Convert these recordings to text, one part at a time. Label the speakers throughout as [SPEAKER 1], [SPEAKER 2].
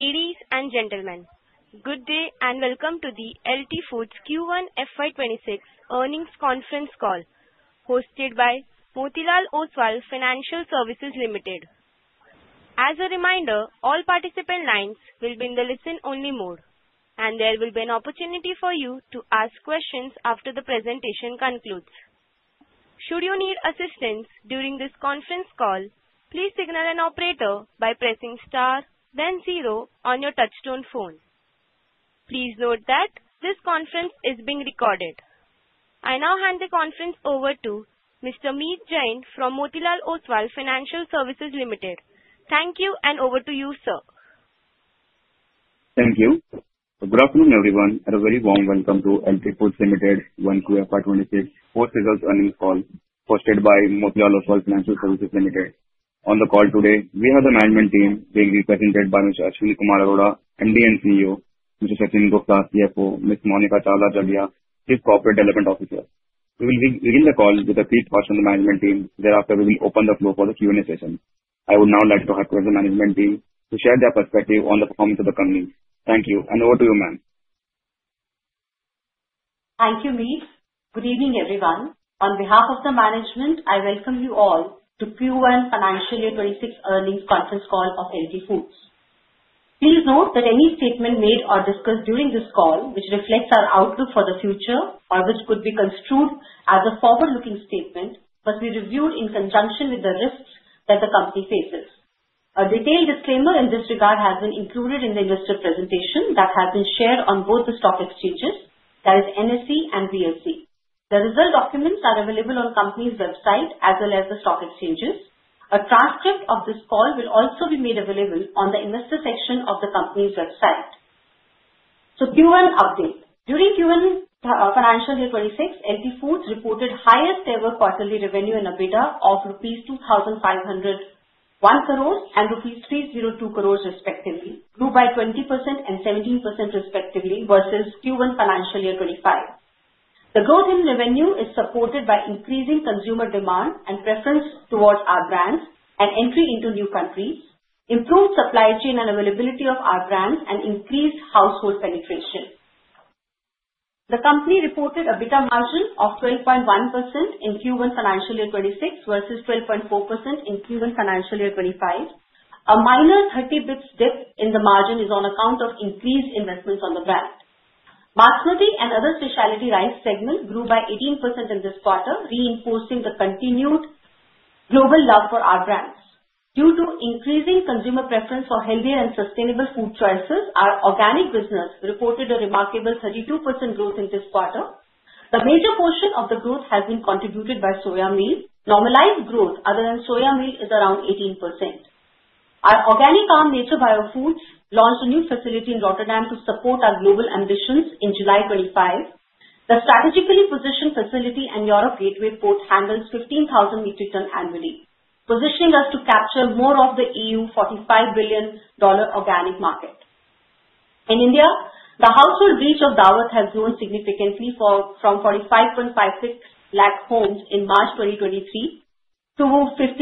[SPEAKER 1] Ladies and gentlemen, good day and welcome to the LT Foods Q1 FY 2026 earnings conference call hosted by Motilal Oswal Financial Services Limited. As a reminder, all participant lines will be in the listen-only mode, and there will be an opportunity for you to ask questions after the presentation concludes. Should you need assistance during this conference call, please signal an operator by pressing * then 0 on your touch-tone phone. Please note that this conference is being recorded. I now hand the conference over to Mr. Meet Jain from Motilal Oswal Financial Services Limited. Thank you, and over to you, sir.
[SPEAKER 2] Thank you. Good afternoon, everyone, and a very warm welcome to LT Foods Limited Q1 FY 2026 post-sales earnings call hosted by Motilal Oswal Financial Services Limited. On the call today, we have the management team being represented by Mr. Ashwani Kumar Arora, MD and CEO, Mr. Sachin Gupta, CFO, Ms. Monika Chawla Jaggia, Chief Corporate Development Officer. We will begin the call with a brief question from the management team. Thereafter, we will open the floor for the Q&A session. I would now like to have the management team share their perspective on the performance of the company. Thank you, and over to you, ma'am.
[SPEAKER 3] Thank you, Meet. Good evening, everyone. On behalf of the management, I welcome you all to Q1 Financial Year 26 earnings conference call of LT Foods. Please note that any statement made or discussed during this call, which reflects our outlook for the future or which could be construed as a forward-looking statement, must be reviewed in conjunction with the risks that the company faces. A detailed disclaimer in this regard has been included in the investor presentation that has been shared on both the stock exchanges, that is, NSE and BSE. The results documents are available on the company's website as well as the stock exchanges. A transcript of this call will also be made available on the investor section of the company's website. So, Q1 update. During Q1 Financial Year 26, LT Foods reported highest-ever quarterly revenue in EBITDA of rupees 2,501 and rupees 302, respectively, grew by 20% and 17%, respectively, versus Q1 Financial Year 25. The growth in revenue is supported by increasing consumer demand and preference towards our brands and entry into new countries, improved supply chain and availability of our brands, and increased household penetration. The company reported an EBITDA margin of 12.1% in Q1 Financial Year 26 versus 12.4% in Q1 Financial Year 25. A minor 30 basis points dip in the margin is on account of increased investments on the brand. Basmati and other specialty rice segments grew by 18% in this quarter, reinforcing the continued global love for our brands. Due to increasing consumer preference for healthier and sustainable food choices, our organic business reported a remarkable 32% growth in this quarter. The major portion of the growth has been contributed by soy meal. Normalized growth other than soy meal is around 18%. Our organic arm Nature Bio Foods launched a new facility in Rotterdam to support our global ambitions in July 2025. The strategically positioned facility and Europe Gateway port handles 15,000 metric tons annually, positioning us to capture more of the EU's $45 billion organic market. In India, the household reach of Daawat has grown significantly from 45.56 lakh homes in March 2023 to 56.2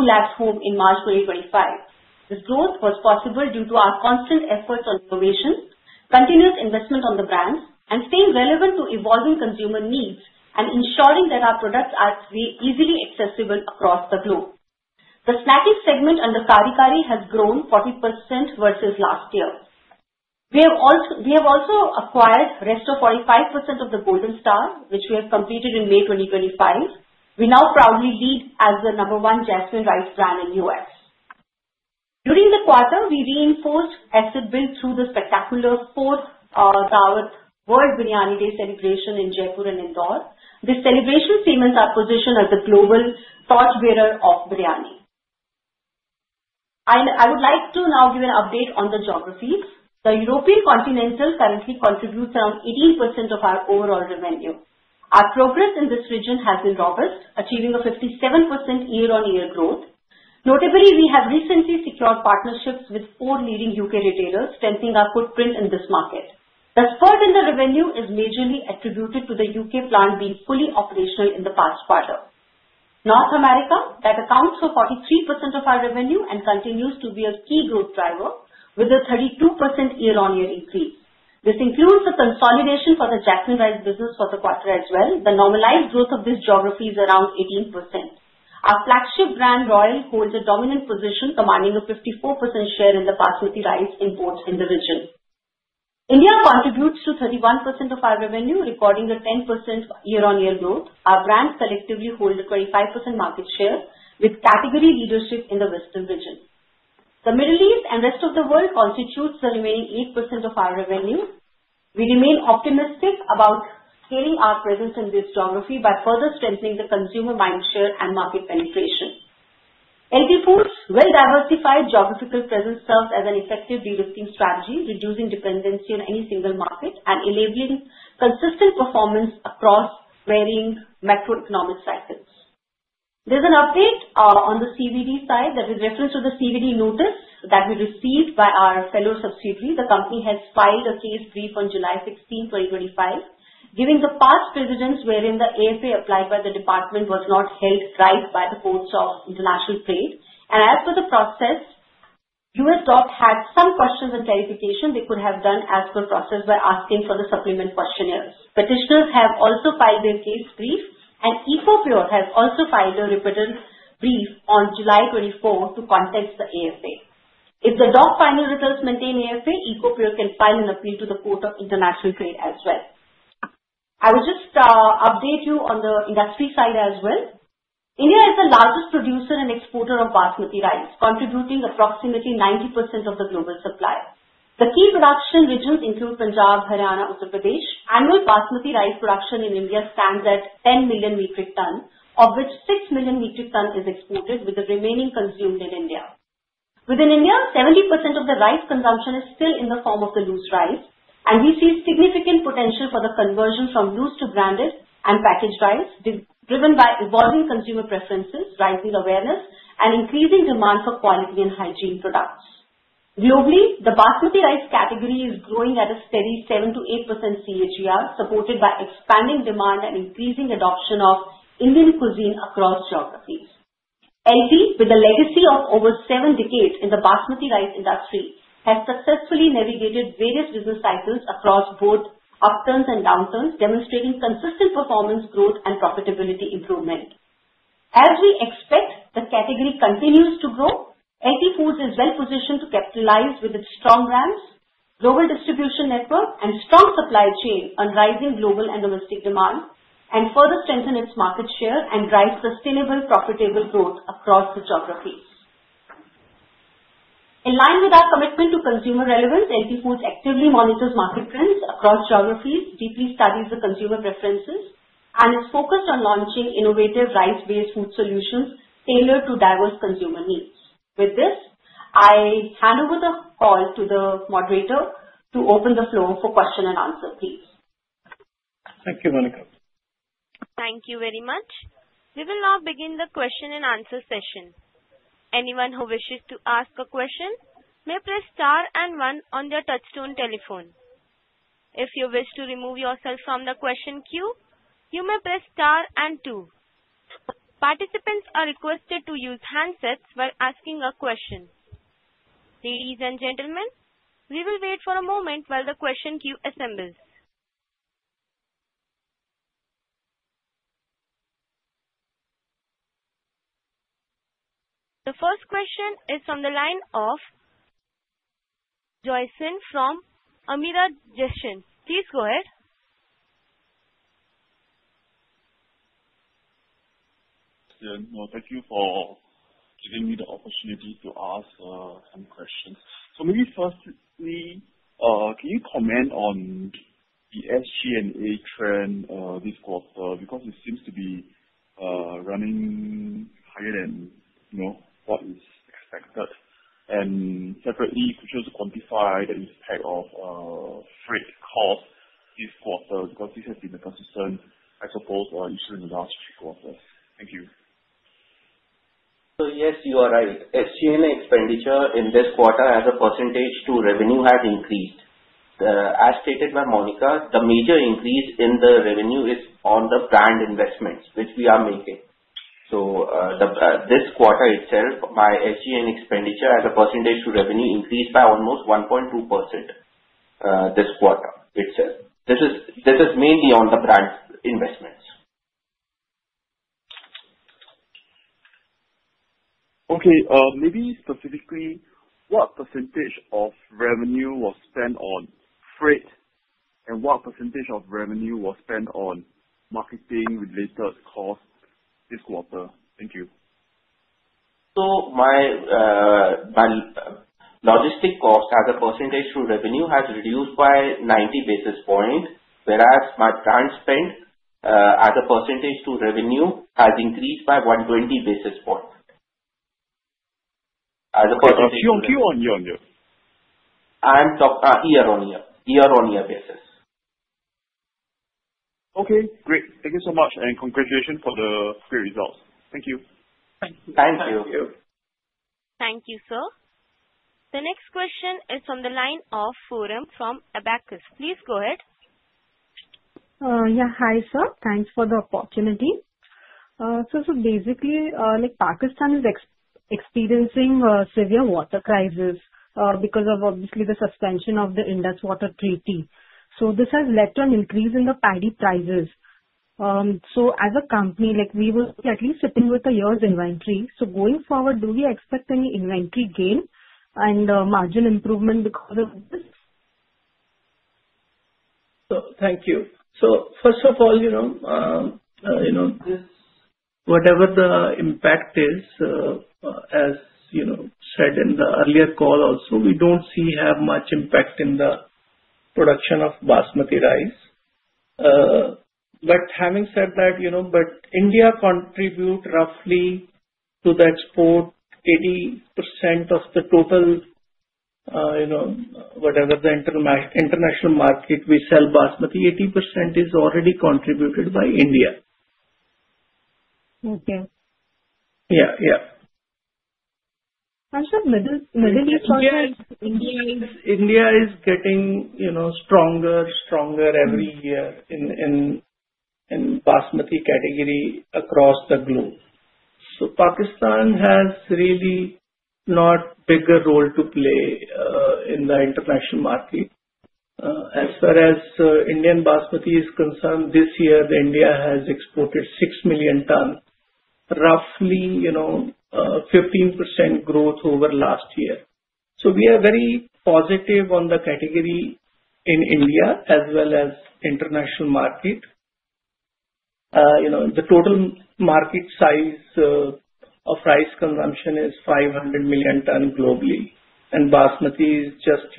[SPEAKER 3] lakhs in March 2025. This growth was possible due to our constant efforts on innovation, continuous investment on the brands, and staying relevant to evolving consumer needs, and ensuring that our products are easily accessible across the globe. The snacking segment under Kari Kari has grown 40% versus last year. We have also acquired the rest of 45% of the Golden Star, which we have completed in May 2025. We now proudly lead as the number one jasmine rice brand in the U.S. During the quarter, we reinforced brand build through the spectacular fourth Daawat World Biryani Day celebration in Jaipur and Indore. This celebration cements our position as the global thought leader of biryani. I would like to now give an update on the geographies. The European continent currently contributes around 18% of our overall revenue. Our progress in this region has been robust, achieving a 57% year-on-year growth. Notably, we have recently secured partnerships with four leading U.K. retailers, strengthening our footprint in this market. The spurt in the revenue is majorly attributed to the U.K. plant being fully operational in the past quarter. North America, that accounts for 43% of our revenue and continues to be a key growth driver, with a 32% year-on-year increase. This includes the consolidation for the jasmine rice business for the quarter as well. The normalized growth of this geography is around 18%. Our flagship brand, Royal, holds a dominant position, commanding a 54% share in the basmati rice imports in the region. India contributes to 31% of our revenue, recording a 10% year-on-year growth. Our brands collectively hold a 25% market share, with category leadership in the Western region. The Middle East and rest of the world constitute the remaining 8% of our revenue. We remain optimistic about scaling our presence in this geography by further strengthening the consumer market share and market penetration. LT Foods' well-diversified geographical presence serves as an effective de-risking strategy, reducing dependency on any single market and enabling consistent performance across varying macroeconomic cycles. There's an update on the CVD side that is a reference to the CVD notice that we received by our fellow subsidiary. The company has filed a case brief on July 16, 2025, citing the past precedents wherein the AFA applied by the department was not upheld by the Court of International Trade. As for the process, U.S. DOC had some questions and clarification they could have done as per process by asking for the supplemental questionnaires. Petitioners have also filed their case brief, and EcoPure has also filed a rebuttal brief on July 24 to contest the AFA. If the DOC final results maintain AFA, EcoPure can file an appeal to the Court of International Trade as well. I would just update you on the industry side as well. India is the largest producer and exporter of basmati rice, contributing approximately 90% of the global supply. The key production regions include Punjab, Haryana, and Uttar Pradesh. Annual basmati rice production in India stands at 10 million metric tons, of which 6 million metric tons is exported, with the remaining consumed in India. Within India, 70% of the rice consumption is still in the form of the loose rice, and we see significant potential for the conversion from loose to branded and packaged rice, driven by evolving consumer preferences, rising awareness, and increasing demand for quality and hygiene products. Globally, the basmati rice category is growing at a steady 7%-8% CAGR, supported by expanding demand and increasing adoption of Indian cuisine across geographies. LT, with a legacy of over seven decades in the basmati rice industry, has successfully navigated various business cycles across both upturns and downturns, demonstrating consistent performance, growth, and profitability improvement. As we expect, the category continues to grow. LT Foods is well-positioned to capitalize with its strong brands, global distribution network, and strong supply chain on rising global and domestic demand, and further strengthen its market share and drive sustainable profitable growth across the geographies. In line with our commitment to consumer relevance, LT Foods actively monitors market trends across geographies, deeply studies the consumer preferences, and is focused on launching innovative rice-based food solutions tailored to diverse consumer needs. With this, I hand over the call to the moderator to open the floor for question and answer, please.
[SPEAKER 4] Thank you, Monika.
[SPEAKER 1] Thank you very much. We will now begin the question and answer session. Anyone who wishes to ask a question may press star and one on their touch-tone telephone. If you wish to remove yourself from the question queue, you may press star and two. Participants are requested to use handsets while asking a question. Ladies and gentlemen, we will wait for a moment while the question queue assembles. The first question is from the line of Jason from Mirae Asset. Please go ahead.
[SPEAKER 5] Thank you for giving me the opportunity to ask some questions. So maybe firstly, can you comment on the SG&A trend this quarter? Because it seems to be running higher than what is expected. And separately, could you also quantify the impact of freight costs this quarter? Because this has been a consistent, I suppose, issue in the last three quarters. Thank you.
[SPEAKER 6] So yes, you are right. SG&A expenditure in this quarter, as a percentage to revenue, has increased. As stated by Monika, the major increase in the revenue is on the brand investments which we are making. So this quarter itself, my SG&A expenditure as a percentage to revenue increased by almost 1.2% this quarter itself. This is mainly on the brand investments.
[SPEAKER 5] Okay. Maybe specifically, what percentage of revenue was spent on freight, and what percentage of revenue was spent on marketing-related costs this quarter? Thank you.
[SPEAKER 6] My logistics cost as a percentage to revenue has reduced by 90 basis points, whereas my brand spend as a percentage to revenue has increased by 120 basis points.
[SPEAKER 5] Year on year.
[SPEAKER 6] I'm talking year-on-year, year-on-year basis.
[SPEAKER 5] Okay. Great. Thank you so much, and congratulations for the great results. Thank you.
[SPEAKER 6] Thank you.
[SPEAKER 4] Thank you, sir.
[SPEAKER 1] Thank you, sir. The next question is from the line of Forum from Abakkus Asset Manager. Please go ahead.
[SPEAKER 5] Yeah, hi, sir. Thanks for the opportunity. So basically, Pakistan is experiencing a severe water crisis because of, obviously, the suspension of the Indus Waters Treaty. So this has led to an increase in the paddy prices. So as a company, we will be at least sitting with a year's inventory. So going forward, do we expect any inventory gain and margin improvement because of this?
[SPEAKER 4] Thank you. First of all, whatever the impact is, as said in the earlier call also, we don't see much impact in the production of basmati rice. Having said that, India contributes roughly to the export 80% of the total, whatever the international market, we sell basmati. 80% is already contributed by India.
[SPEAKER 5] Okay.
[SPEAKER 4] Yeah, yeah.
[SPEAKER 5] Actually, Middle East market.
[SPEAKER 4] India is getting stronger, stronger every year in basmati category across the globe, so Pakistan has really not a bigger role to play in the international market. As far as Indian basmati is concerned, this year, India has exported six million tons, roughly 15% growth over last year, so we are very positive on the category in India as well as international market. The total market size of rice consumption is 500 million tons globally, and basmati is just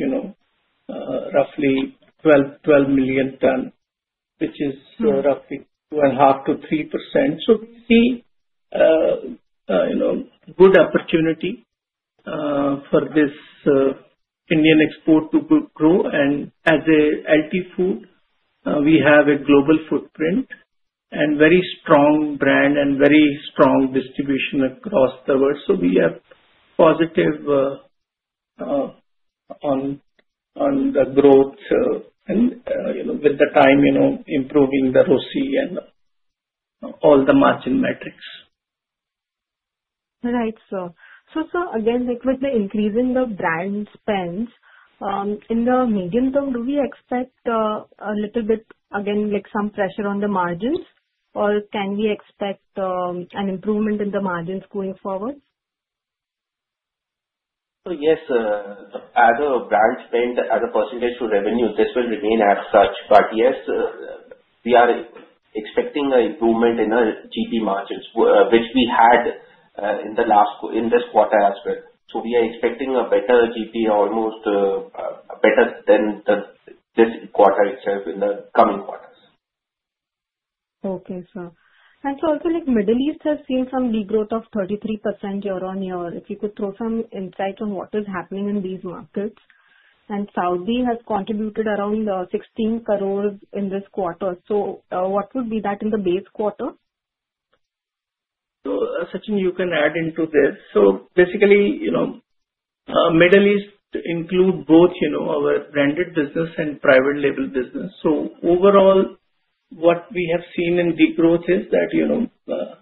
[SPEAKER 4] roughly 12 million tons, which is roughly 2%-3%. So we see good opportunity for this Indian export to grow. And as a LT Foods, we have a global footprint and very strong brand and very strong distribution across the world, so we are positive on the growth and, over time, improving the ROCE and all the margin metrics.
[SPEAKER 5] Right, sir. So again, with the increase in the brand spend, in the medium term, do we expect a little bit, again, some pressure on the margins, or can we expect an improvement in the margins going forward?
[SPEAKER 6] So yes, the brand spend as a percentage to revenue, this will remain as such. But yes, we are expecting an improvement in our GP margins, which we had in this quarter as well. So we are expecting a better GP, almost better than this quarter itself in the coming quarters.
[SPEAKER 5] Okay, sir. And so also, Middle East has seen some regrowth of 33% year-on-year. If you could throw some insight on what is happening in these markets? And Saudi has contributed around 16 crores in this quarter. So what would be that in the base quarter?
[SPEAKER 4] Sachin, you can add into this. Basically, Middle East includes both our branded business and private label business. Overall, what we have seen in the growth is that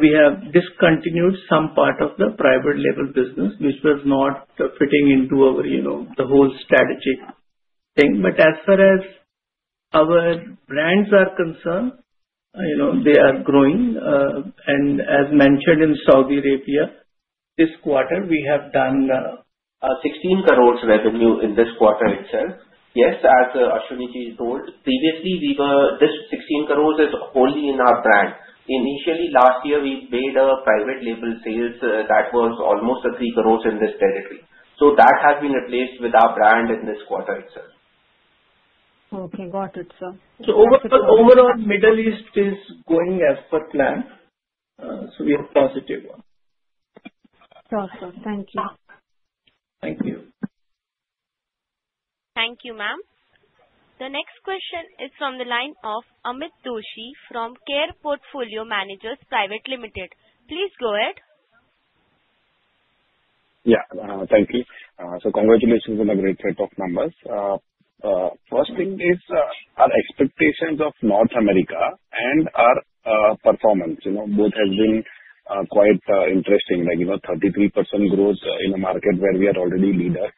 [SPEAKER 4] we have discontinued some part of the private label business, which was not fitting into the whole strategic thing. But as far as our brands are concerned, they are growing. And as mentioned in Saudi Arabia, this quarter, we have done 16 crore revenue in this quarter itself. Yes, as Ashwani ji told, previously, this 16 crore is only in our brand. Initially, last year, we made a private label sales that was almost 3 crore in this territory. So that has been replaced with our brand in this quarter itself.
[SPEAKER 5] Okay, got it, sir.
[SPEAKER 4] So overall, Middle East is going as per plan. So we are positive on.
[SPEAKER 5] Sure, sir. Thank you.
[SPEAKER 4] Thank you.
[SPEAKER 1] Thank you, ma'am. The next question is from the line of Amit Doshi from Care Portfolio Managers Private Limited. Please go ahead.
[SPEAKER 7] Yeah, thank you. So congratulations on the great set of numbers. First thing is our expectations of North America and our performance. Both have been quite interesting, like 33% growth in a market where we are already leader.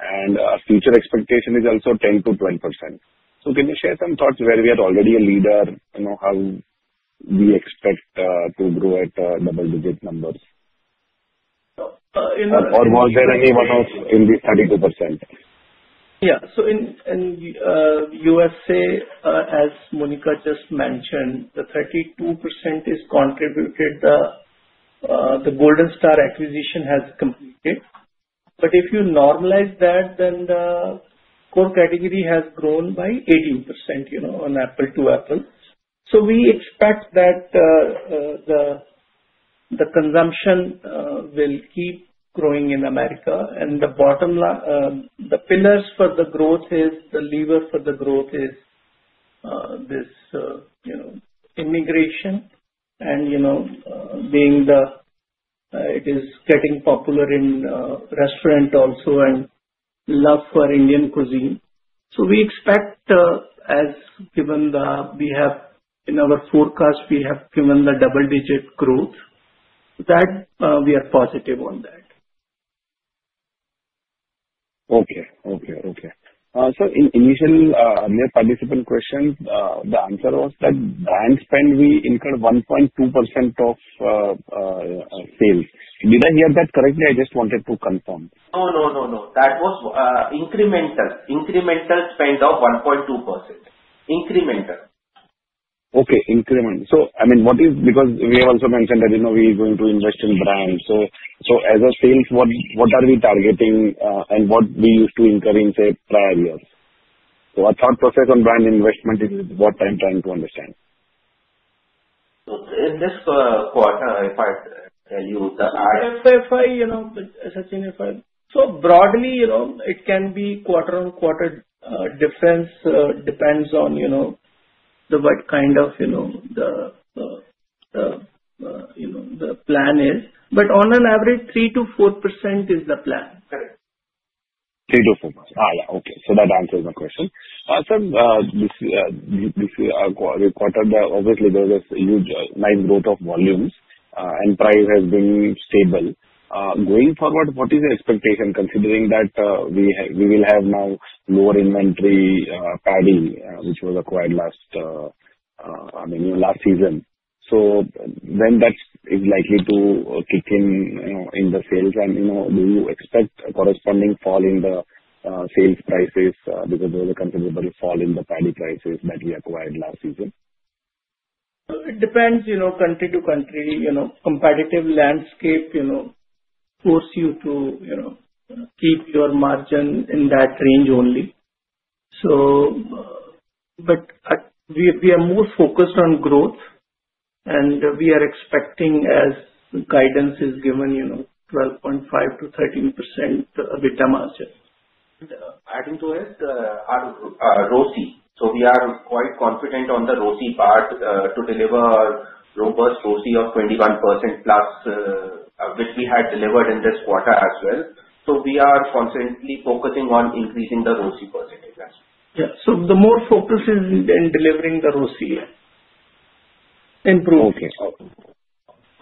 [SPEAKER 7] And our future expectation is also 10%-12%. So can you share some thoughts where we are already a leader, how we expect to grow at double-digit numbers? Or was there any one-off in the 32%?
[SPEAKER 4] Yeah. So in USA, as Monika just mentioned, the 32% is contributed. The Golden Star acquisition has completed. But if you normalize that, then the core category has grown by 18% on apple-to-apple. So we expect that the consumption will keep growing in America. And the pillars for the growth is the lever for the growth is this immigration and being the it is getting popular in restaurant also and love for Indian cuisine. So we expect, as given the we have in our forecast, we have given the double-digit growth. That we are positive on that.
[SPEAKER 7] Okay. So, in initial participant question, the answer was that brand spend, we incurred 1.2% of sales. Did I hear that correctly? I just wanted to confirm.
[SPEAKER 6] No, no, no, no. That was incremental. Incremental spend of 1.2%. Incremental.
[SPEAKER 7] Okay, incremental. So I mean, what is because we have also mentioned that we are going to invest in brands. So as sales, what are we targeting and what we used to incur in, say, prior years? So our thought process on brand investment is what I'm trying to understand.
[SPEAKER 6] So in this quarter, if I tell you the.
[SPEAKER 4] So broadly, it can be quarter-on-quarter difference. Depends on what kind of the plan is. But on an average, 3% to 4% is the plan.
[SPEAKER 6] Correct.
[SPEAKER 7] 3%-4%. Yeah. Okay. So that answers my question. So this quarter, obviously, there was a huge nice growth of volumes, and price has been stable. Going forward, what is the expectation considering that we will have now lower inventory paddy, which was acquired last, I mean, last season? So then that is likely to kick in in the sales. And do you expect a corresponding fall in the sales prices because there was a considerable fall in the paddy prices that we acquired last season?
[SPEAKER 4] It depends. Country to country, competitive landscape force you to keep your margin in that range only. But we are more focused on growth, and we are expecting, as guidance is given, 12.5%-13% EBITDA margin.
[SPEAKER 6] Adding to it, ROCE. So we are quite confident on the ROCE part to deliver robust ROCE of 21%+, which we had delivered in this quarter as well. So we are constantly focusing on increasing the ROCE percentage as well.
[SPEAKER 4] Yeah. So the more focus is in delivering the ROCE improvement.
[SPEAKER 7] Okay.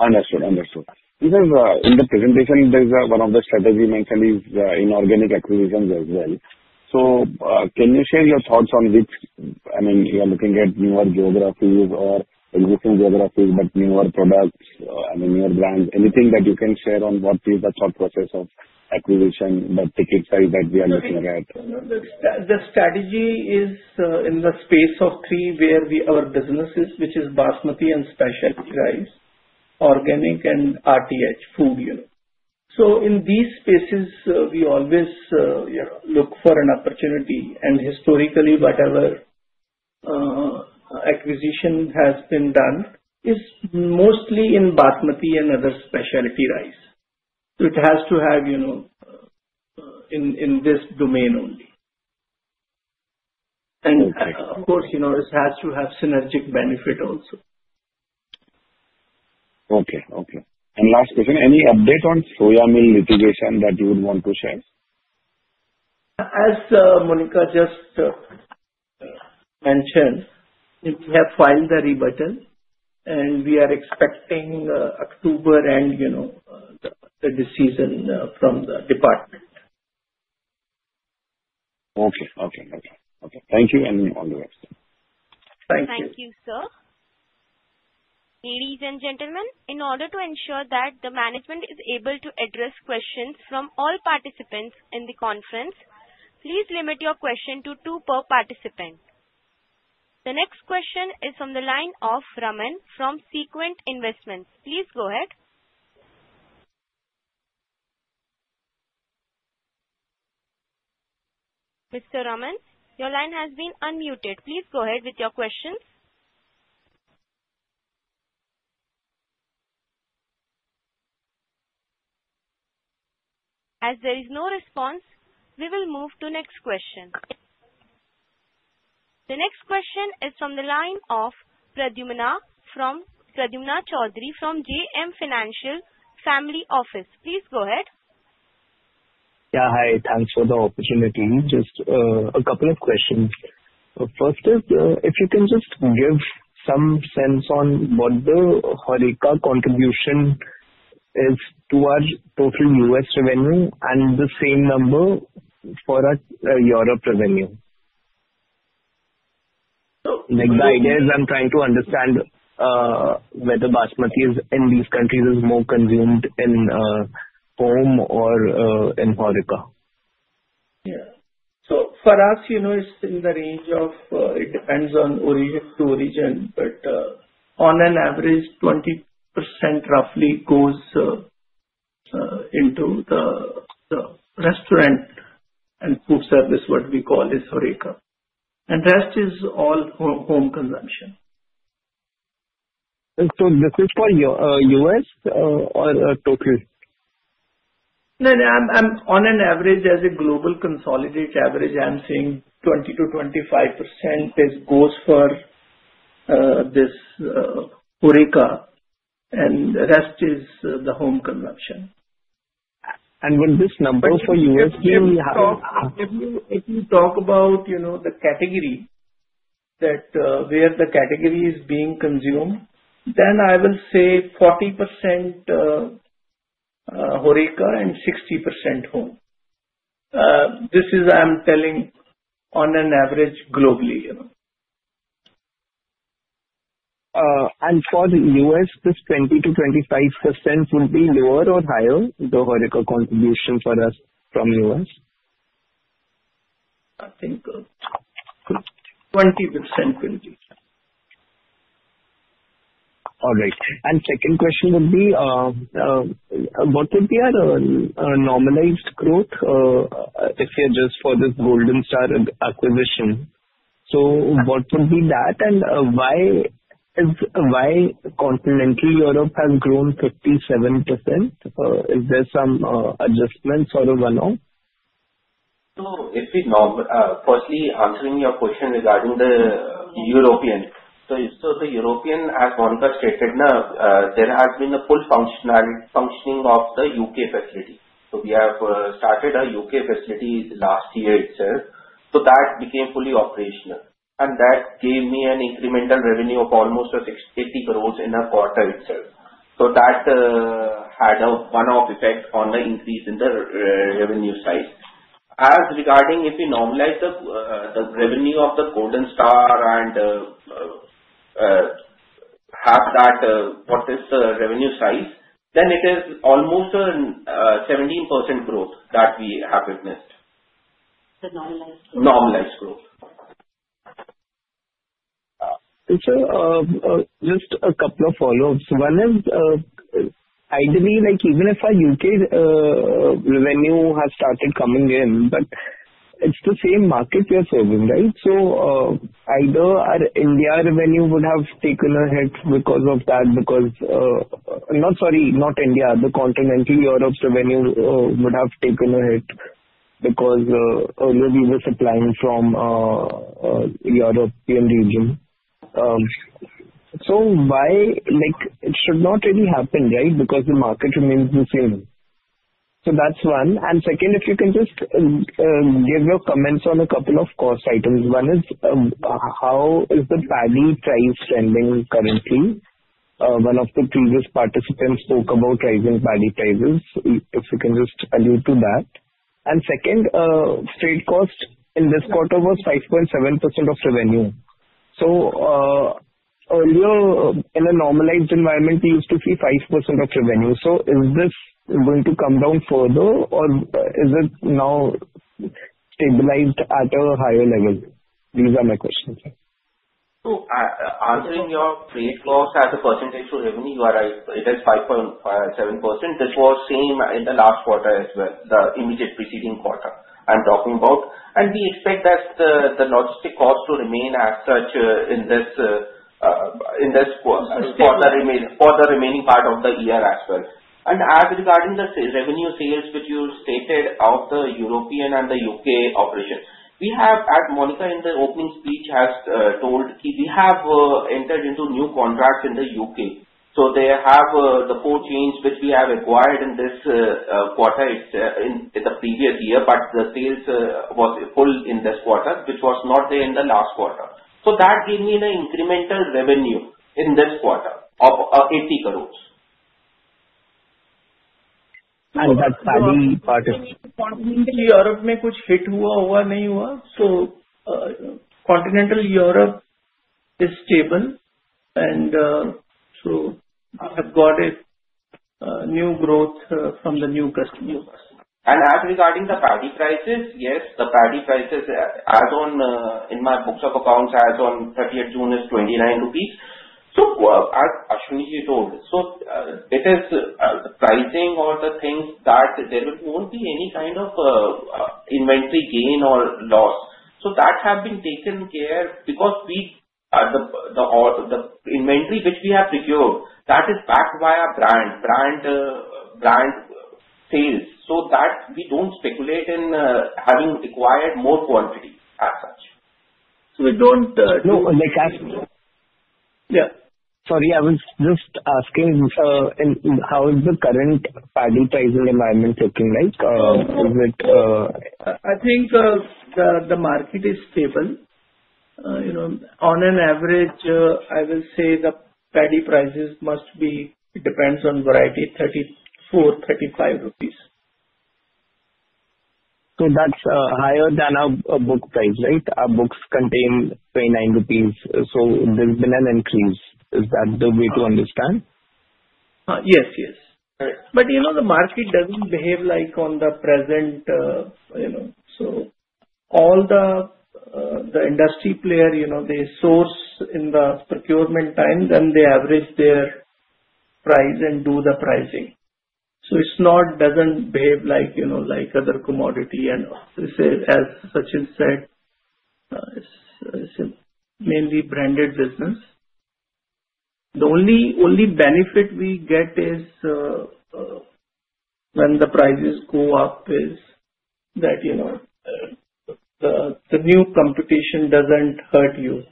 [SPEAKER 7] Understood, understood. Because in the presentation, there is one of the strategy mentioned is in organic acquisitions as well. So can you share your thoughts on which I mean, you are looking at newer geographies or existing geographies, but newer products, I mean, newer brands? Anything that you can share on what is the thought process of acquisition, the ticket size that we are looking at?
[SPEAKER 4] The strategy is in the space of three where our business is, which is basmati and specialty rice, organic, and RTH, food. So in these spaces, we always look for an opportunity. And historically, whatever acquisition has been done is mostly in basmati and other specialty rice. So it has to have in this domain only. And of course, it has to have synergistic benefit also.
[SPEAKER 7] Okay, okay. And last question, any update on soy meal litigation that you would want to share?
[SPEAKER 4] As Monika just mentioned, we have filed the rebuttal, and we are expecting October and the decision from the department.
[SPEAKER 7] Okay. Thank you, and all the best.
[SPEAKER 4] Thank you.
[SPEAKER 1] Thank you, sir. Ladies and gentlemen, in order to ensure that the management is able to address questions from all participants in the conference, please limit your question to two per participant. The next question is from the line of Raman from Sequent Investments. Please go ahead. Mr. Raman, your line has been unmuted. Please go ahead with your questions. As there is no response, we will move to next question. The next question is from the line of Pradyumna Chaudhary from JM Financial Family Office. Please go ahead.
[SPEAKER 8] Yeah, hi. Thanks for the opportunity. Just a couple of questions. First is, if you can just give some sense on what the HoReCa contribution is to our total U.S. revenue and the same number for our Europe revenue. The idea is I'm trying to understand whether basmati in these countries is more consumed in home or in HoReCa. Yeah. So for us, it's in the range of; it depends on origin to origin, but on an average, 20% roughly goes into the restaurant and food service, what we call is HoReCa. And rest is all home consumption. This is for U.S. or total?
[SPEAKER 4] No, no. On an average, as a global consolidated average, I'm saying 20%-25% goes for this HoReCa, and the rest is the home consumption.
[SPEAKER 8] And when this number for U.S. means.
[SPEAKER 4] So if you talk about the category that where the category is being consumed, then I will say 40% HoReCa and 60% home. This is I'm telling on an average globally.
[SPEAKER 8] For the U.S., this 20%-25% would be lower or higher, the HoReCa contribution for us from U.S.?
[SPEAKER 4] I think 20% will be.
[SPEAKER 8] All right. And second question would be, what would be our normalized growth if you're just for this Golden Star acquisition? So what would be that, and why continental Europe has grown 57%? Is there some adjustments or a one-off?
[SPEAKER 6] Firstly, answering your question regarding Europe, as Monika stated, there has been full functioning of the U.K. facility. We have started a U.K. facility last year itself. So that became fully operational. And that gave me an incremental revenue of almost 80 crore in a quarter itself. So that had a one-off effect on the increase in the revenue size. As regarding if we normalize the revenue of the Golden Star and have that, what is the revenue size, then it is almost 17% growth that we have witnessed.
[SPEAKER 8] The normalized growth. Normalized growth.
[SPEAKER 4] Sir, just a couple of follow-ups. One is, ideally, even if our U.K. revenue has started coming in, but it's the same market we are serving, right? So either our India revenue would have taken a hit because of that, because not sorry, not India, the continental Europe's revenue would have taken a hit because earlier we were supplying from the European region. So it should not really happen, right, because the market remains the same. So that's one. And second, if you can just give your comments on a couple of cost items. One is how is the paddy price trending currently? One of the previous participants spoke about rising paddy prices. If you can just allude to that. And second, straight cost in this quarter was 5.7% of revenue. So earlier, in a normalized environment, we used to see 5% of revenue. So is this going to come down further, or is it now stabilized at a higher level? These are my questions.
[SPEAKER 6] So answering your trade cost as a percentage to revenue, you are right. It is 5.7%. This was same in the last quarter as well, the immediate preceding quarter I'm talking about. And we expect that the logistic cost to remain as such in this quarter remaining part of the year as well. And as regarding the revenue sales, which you stated out the European and the U.K. operation, we have, as Monika in the opening speech has told, we have entered into new contracts in the U.K. So they have the four chains which we have acquired in this quarter in the previous year, but the sales was full in this quarter, which was not there in the last quarter. So that gave me an incremental revenue in this quarter of 80 crores.
[SPEAKER 8] That paddy part.
[SPEAKER 4] Continental Europe may have been hit or not. So continental Europe is stable. And so I've got a new growth from the new customers.
[SPEAKER 6] Regarding the paddy prices, yes, the paddy prices, as on in my books of accounts, as on 30th June is 29 rupees. So as Ashwani ji told, so it is pricing all the things that there will only be any kind of inventory gain or loss. So that has been taken care because the inventory which we have procured, that is backed by our brand, brand sales. So that we don't speculate in having acquired more quantity as such.
[SPEAKER 8] We don't.
[SPEAKER 6] No, like as.
[SPEAKER 8] Yeah. Sorry, I was just asking how is the current paddy pricing environment looking like? Is it?
[SPEAKER 4] I think the market is stable. On an average, I will say the paddy prices must be. It depends on variety, 34-35 rupees.
[SPEAKER 8] So that's higher than our book price, right? Our books contain 29 rupees. So there's been an increase. Is that the way to understand?
[SPEAKER 4] Yes, yes, but the market doesn't behave like on the present, so all the industry player, they source in the procurement time, then they average their price and do the pricing, so it doesn't behave like other commodity, and as Sachin said, it's mainly branded business. The only benefit we get is when the prices go up is that the new competition doesn't hurt you.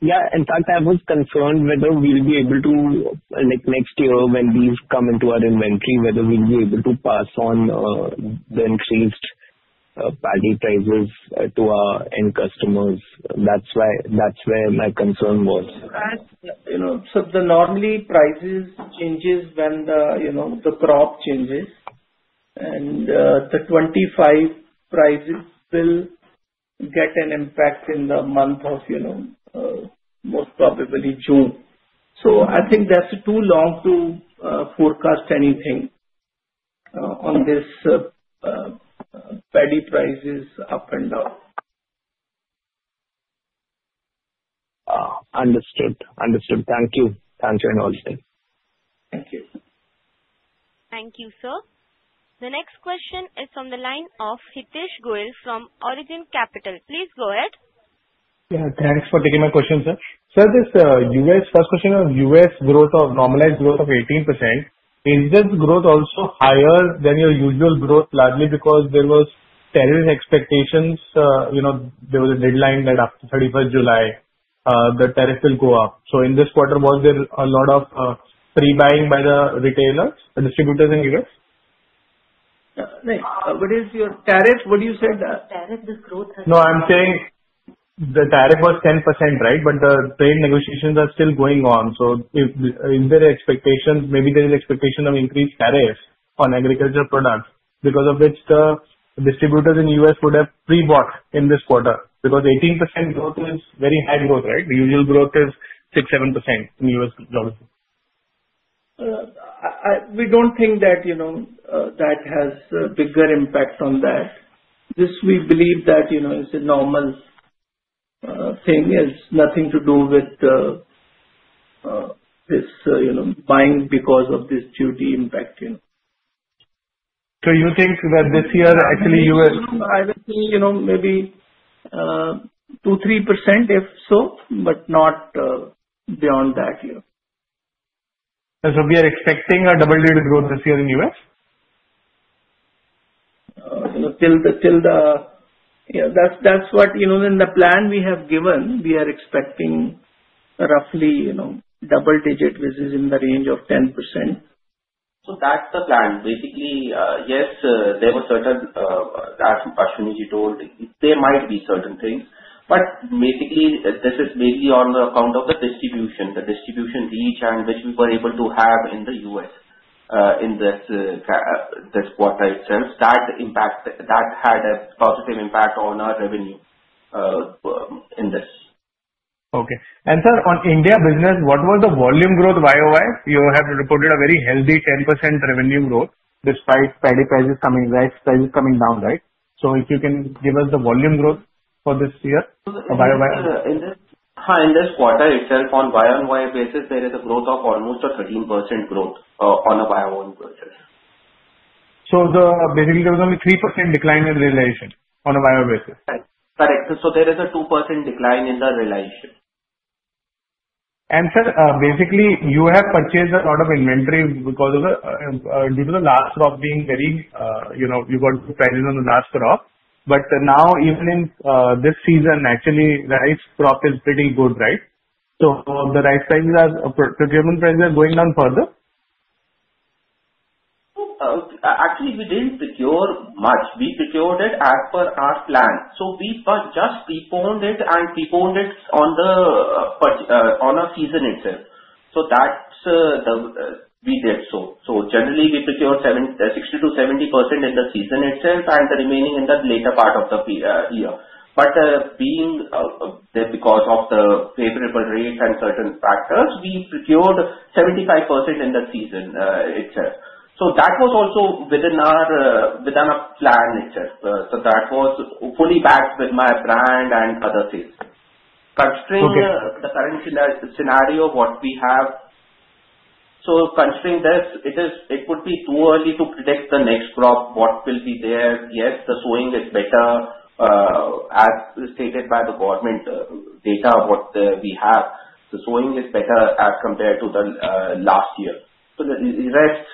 [SPEAKER 8] Yeah. In fact, I was concerned whether we'll be able to next year when these come into our inventory, whether we'll be able to pass on the increased paddy prices to our end customers. That's where my concern was.
[SPEAKER 4] So, the normal prices change when the crop changes. And the FY25 prices will get an impact in the month of, most probably, June. So, I think that's too long to forecast anything on this paddy prices up and down.
[SPEAKER 8] Understood. Understood. Thank you. Thanks for investing.
[SPEAKER 4] Thank you.
[SPEAKER 1] Thank you, sir. The next question is from the line of Hitesh Goyal from Origin Capital. Please go ahead.
[SPEAKER 9] Yeah. Thanks for taking my question, sir. So this U.S. first question of U.S. growth of normalized growth of 18%. Is this growth also higher than your usual growth largely because there was tariff expectations? There was a deadline that after 31st July, the tariff will go up. So in this quarter, was there a lot of pre-buying by the retailers, the distributors in U.S.?
[SPEAKER 4] What is your tariff? What did you say?
[SPEAKER 9] Tariff is growth. No, I'm saying the tariff was 10%, right? But the trade negotiations are still going on. So is there an expectation? Maybe there is an expectation of increased tariffs on agriculture products because of which the distributors in U.S. would have pre-bought in this quarter because 18% growth is very high growth, right? The usual growth is 6-7% in U.S. jobs.
[SPEAKER 4] We don't think that that has a bigger impact on that. We believe that it's a normal thing. It's nothing to do with this buying because of this duty impact.
[SPEAKER 9] So you think that this year actually U.S.?
[SPEAKER 4] I would say maybe 2%-3% if so, but not beyond that.
[SPEAKER 9] We are expecting a double-digit growth this year in U.S.?
[SPEAKER 4] Till then, yeah, that's what in the plan we have given. We are expecting roughly double-digit, which is in the range of 10%.
[SPEAKER 6] So that's the plan. Basically, yes, there were certain Ashwani ji told there might be certain things. But basically, this is mainly on the account of the distribution, the distribution reach and which we were able to have in the U.S. in this quarter itself. That had a positive impact on our revenue in this.
[SPEAKER 9] Okay, and sir, on India business, what was the volume growth? Why or why? You have reported a very healthy 10% revenue growth despite paddy prices coming down, right? So if you can give us the volume growth for this year.
[SPEAKER 6] Hi, in this quarter itself, on buy-on-buy basis, there is a growth of almost 13% on a buy-on-buy basis.
[SPEAKER 9] Basically, there was only 3% decline in realization on a buy-on-buy basis.
[SPEAKER 6] Correct. So there is a 2% decline in the realization.
[SPEAKER 9] And sir, basically, you have purchased a lot of inventory because of the last crop being very you got prices on the last crop. But now, even in this season, actually, rice crop is pretty good, right? So the rice prices, procurement prices, are going down further?
[SPEAKER 6] Actually, we didn't procure much. We procured it as per our plan. So we just pre-planned it and pre-planned it for our season itself. So that's what we did. So generally, we procured 60%-70% in the season itself and the remaining in the later part of the year. But being because of the favorable rates and certain factors, we procured 75% in the season itself. So that was also within our plan itself. So that was fully backed with my brand and other sales. Considering the current scenario, what we have. So considering this, it would be too early to predict the next crop, what will be there. Yes, the sowing is better as stated by the government data that we have. The sowing is better as compared to the last year. So the rest.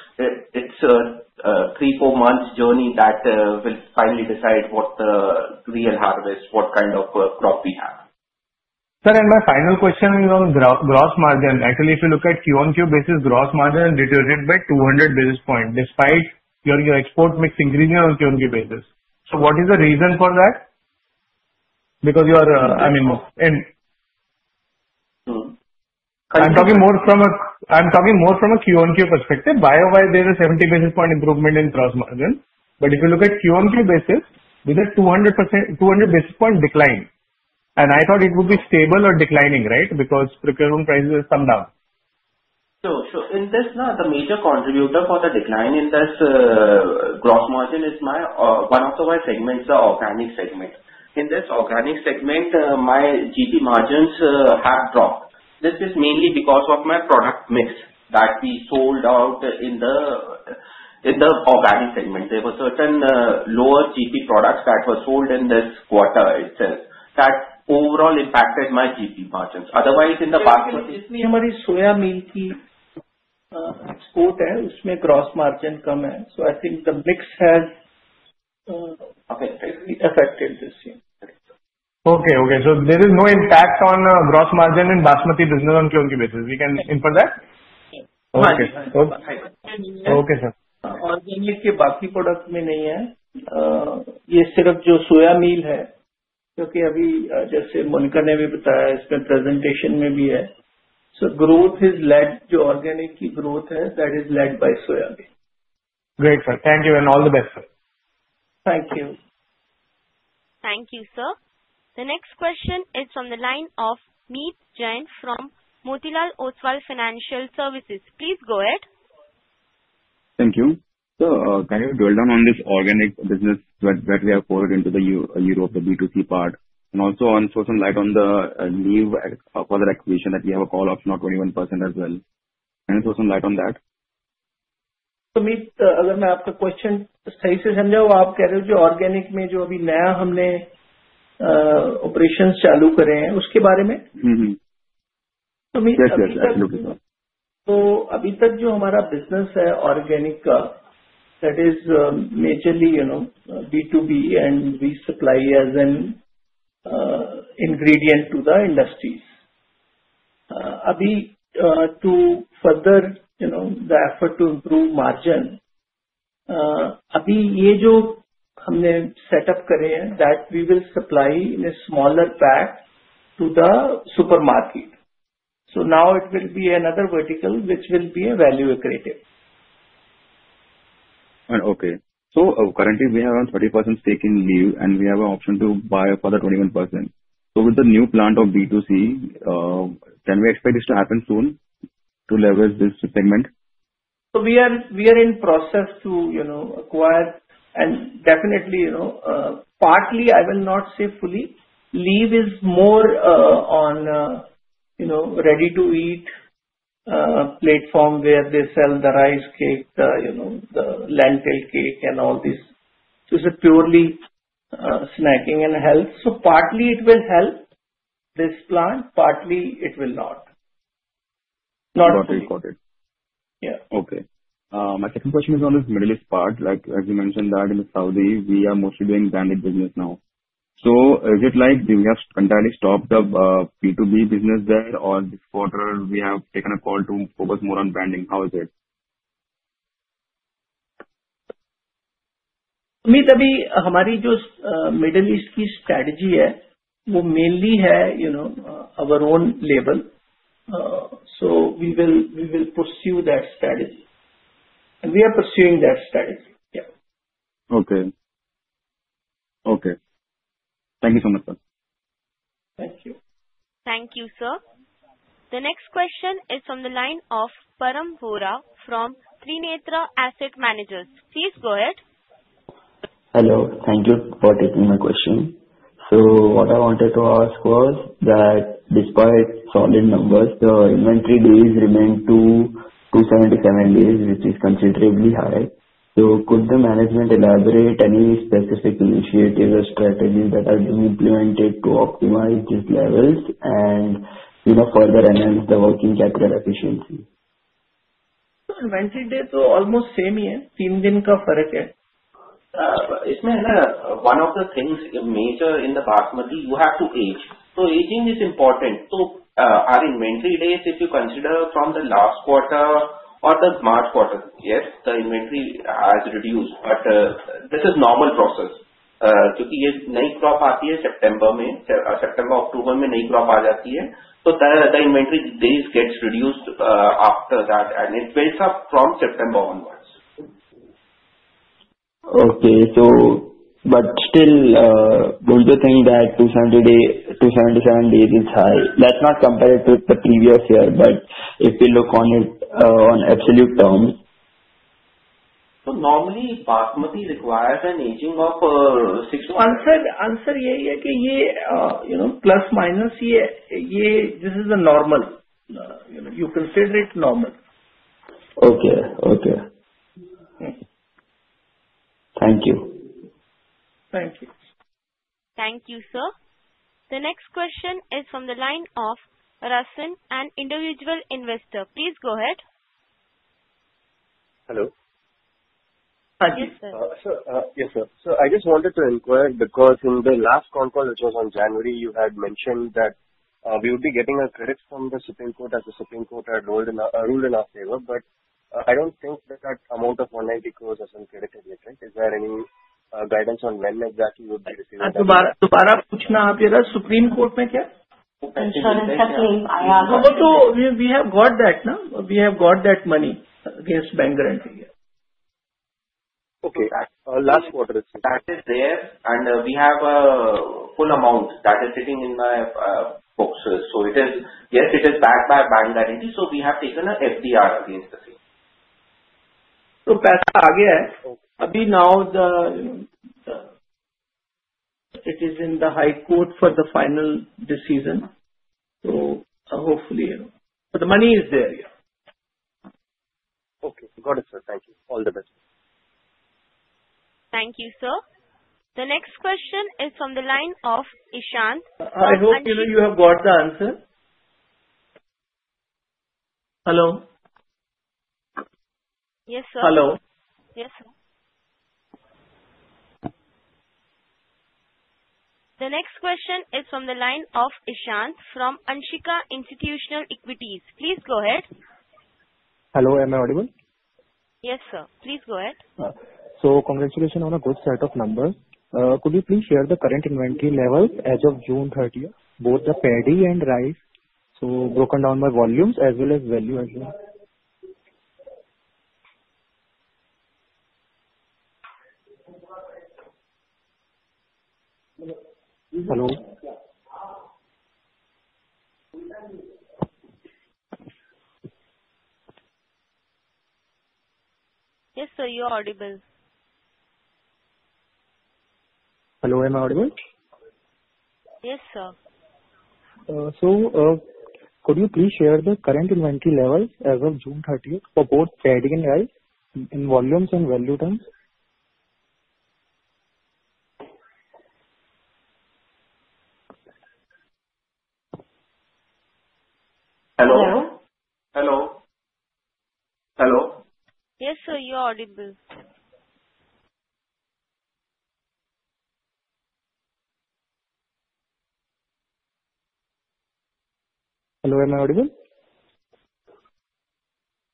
[SPEAKER 6] It's a three, four months journey that will finally decide what the real harvest, what kind of crop we have.
[SPEAKER 9] Sir, and my final question on gross margin. Actually, if you look at QoQ basis, gross margin is deteriorated by 200 basis points despite your export mix increasing on QoQ basis. So what is the reason for that? Because you are, I mean, and.
[SPEAKER 6] Concerned.
[SPEAKER 9] I'm talking more from a Q1Q perspective. Why is there a 70 basis points improvement in gross margin? But if you look at Q1Q basis, we did 200 basis points decline. And I thought it would be stable or declining, right? Because procurement prices have come down.
[SPEAKER 6] Sure. Sure. In this, the major contributor for the decline in this gross margin is one of the segments, the organic segment. In this organic segment, my GP margins have dropped. This is mainly because of my product mix that we sold out in the organic segment. There were certain lower GP products that were sold in this quarter itself that overall impacted my GP margins. Otherwise, in t
[SPEAKER 4] Basically, it's the only soy meal export. It's export. So there is no impact on gross margin in Basmati business on Q1Q basis. We can infer that? Yes. One of the things, major in the Basmati is you have to age.
[SPEAKER 2] Mm-hmm.
[SPEAKER 9] Aging is important.
[SPEAKER 2] Mm-hmm.
[SPEAKER 9] Our inventory days, if you consider from the last.
[SPEAKER 4] Mm-hmm.
[SPEAKER 5] Last.
[SPEAKER 4] last.
[SPEAKER 5] Last.
[SPEAKER 4] inventory days, if you consider from the last.
[SPEAKER 2] Mm-hmm.
[SPEAKER 4] Mm-hmm.
[SPEAKER 9] Inventory days, if you consider from the last quarter or the March quarter.
[SPEAKER 2] Yes.
[SPEAKER 5] Yes, the inventory has reduced.
[SPEAKER 2] Mm-hmm.
[SPEAKER 5] But, this is normal process.
[SPEAKER 2] Mm-hmm.
[SPEAKER 5] because you get Kharif crop.
[SPEAKER 2] Mm-hmm.
[SPEAKER 5] Eight in September, May.
[SPEAKER 2] Mm-hmm.
[SPEAKER 5] September, October, May, May.
[SPEAKER 2] Mm-hmm.
[SPEAKER 5] Kharif crop area 80% higher.
[SPEAKER 2] Mm-hmm.
[SPEAKER 5] So the inventory days gets reduced, after that.
[SPEAKER 2] Mm-hmm.
[SPEAKER 5] It builds up from September onwards.
[SPEAKER 2] Mm-hmm.
[SPEAKER 5] Okay. So, but still, would you think that 270-day, 277 days is high?
[SPEAKER 2] Mm-hmm.
[SPEAKER 5] That's not compared to the previous year, but if you look on it, on absolute terms.
[SPEAKER 2] Normally, Basmati requires an aging of 600.
[SPEAKER 5] Answer, yeah, yeah, yeah, you know, plus minus yeah, yeah, this is the normal. You know, you consider it normal.
[SPEAKER 2] Okay. Okay.
[SPEAKER 5] Mm-hmm.
[SPEAKER 2] Thank you.
[SPEAKER 5] Thank you.
[SPEAKER 6] Thank you, sir. The next question is from the line of Raman, an individual investor. Please go ahead.
[SPEAKER 2] Hello.
[SPEAKER 6] Hi.
[SPEAKER 2] Yes, sir.
[SPEAKER 6] Yes, sir. I just wanted to inquire because in the last phone call, which was on January, you had mentioned that we would be getting a credit from the Supreme Court as the Supreme Court had ruled in our favor. But I don't think that amount of 190 crore has been credited yet, right? Is there any guidance on when exactly it would be received.
[SPEAKER 5] Duba-Dubarap, Pushnaap, yeh, the Supreme Court mein kya?
[SPEAKER 6] Pension and settling.
[SPEAKER 5] No, but we have got that, na. We have got that money against bank guarantee, yes.
[SPEAKER 2] Okay.
[SPEAKER 5] That.
[SPEAKER 2] last quarter.
[SPEAKER 5] That is there, and we have full amount that is sitting in my books. So it is yes, it is backed by a bank guarantee. So we have taken a FDR against the same.
[SPEAKER 2] Pesa agea heh.
[SPEAKER 5] Okay.
[SPEAKER 2] Abhi now, you know, it is in the High Court for the final decision. So, hopefully, you know, but the money is there, yes.
[SPEAKER 5] Okay. Got it, sir. Thank you. All the best.
[SPEAKER 6] Thank you, sir. The next question is from the line of Ishan.
[SPEAKER 5] I hope.
[SPEAKER 2] Thank you.
[SPEAKER 5] You know, you have got the answer. Hello?
[SPEAKER 6] Yes, sir.
[SPEAKER 5] Hello?
[SPEAKER 6] Yes, sir. The next question is from the line of Ishan from Antique Institutional Equities. Please go ahead.
[SPEAKER 2] Hello. Am I audible?
[SPEAKER 6] Yes, sir. Please go ahead.
[SPEAKER 2] So, congratulations on a good set of numbers. Could you please share the current inventory levels as of June 30th, both the paddy and rice? So, broken down by volumes as well as value as well. Hello.
[SPEAKER 6] Yes, sir. You're audible.
[SPEAKER 2] Hello. Am I audible?
[SPEAKER 6] Yes, sir.
[SPEAKER 2] Could you please share the current inventory levels as of June 30th for both paddy and rice in volumes and value terms?
[SPEAKER 5] Hello.
[SPEAKER 6] Hello?
[SPEAKER 5] Hello. Hello?
[SPEAKER 6] Yes, sir. You're audible.
[SPEAKER 2] Hello. Am I audible?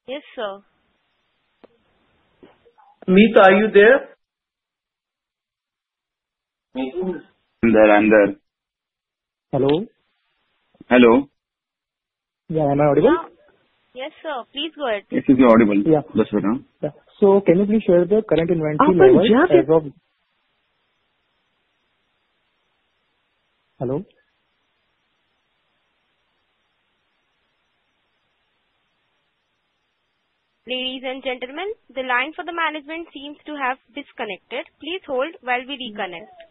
[SPEAKER 6] Yes, sir.
[SPEAKER 2] Meet, are you there?
[SPEAKER 5] Meet. I'm there. I'm there.
[SPEAKER 2] Hello?
[SPEAKER 5] Hello.
[SPEAKER 2] Yeah. Am I audible?
[SPEAKER 6] Yes, sir. Please go ahead.
[SPEAKER 2] Yes, sir.
[SPEAKER 5] Yes, sir. You're audible.
[SPEAKER 2] Yeah.
[SPEAKER 5] Yes, sir. Yeah.
[SPEAKER 2] Yeah.
[SPEAKER 5] Can you please share the current inventory levels as of?
[SPEAKER 2] Okay. Yeah.
[SPEAKER 5] Hello?
[SPEAKER 6] Ladies and gentlemen, the line for the management seems to have disconnected. Please hold while we reconnect.